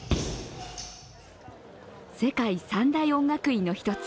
世界三大音楽院の一つ